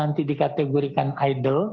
yang nanti dikategorikan idle